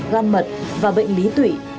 gan mật và bệnh lý tụi